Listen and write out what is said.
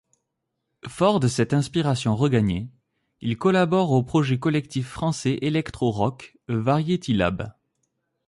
Fort de cette inspiration regagnée, il collabore au projet collectif français électro-rock Variety Lab.